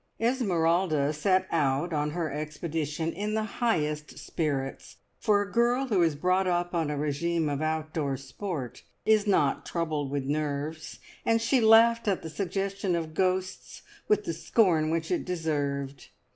Esmeralda set out on her expedition in the highest spirits, for a girl who is brought up on a regime of outdoor sport is not troubled with nerves, and she laughed at the suggestion of ghosts with the scorn which it deserved.